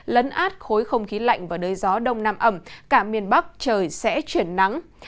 lấn át khối không khí lạnh và đới gió đông nam ẩm cả miền bắc trời sẽ chuyển nắng